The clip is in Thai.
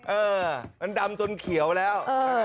เออมันดำจนเขียวแล้ว